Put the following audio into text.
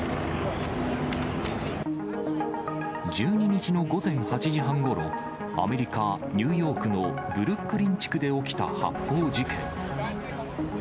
１２日の午前８時半ごろ、アメリカ・ニューヨークのブルックリン地区で起きた発砲事件。